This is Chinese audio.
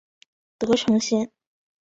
德城线